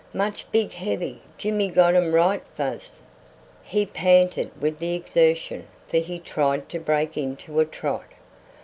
Much big heavy. Jimmy got um right fas'." He panted with the exertion, for he tried to break into a trot.